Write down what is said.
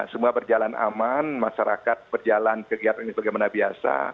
semoga berjalan aman masyarakat berjalan kegiatan ini sebagaimana biasa